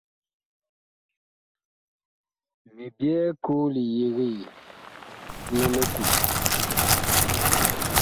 Mi byɛɛ koo li yegee li likut.